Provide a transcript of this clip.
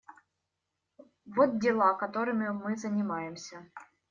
Вот дела, которыми мы занимаемся.